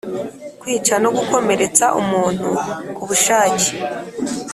Kwica no gukomeretsa umuntu ku bushake